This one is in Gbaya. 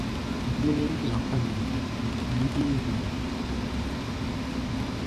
Mgbéléwi zɔká wee, yeé wee.